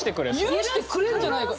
許してくれんじゃないか。